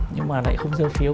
nhưng mà lại không dơ phiếu